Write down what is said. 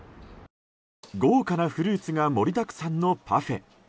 豪華なフルーツが盛りだくさんのパフェ。